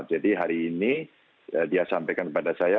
jadi hari ini dia sampaikan kepada saya